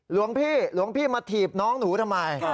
หลวงพี่หลวงพี่มาถีบน้องหนูทำไม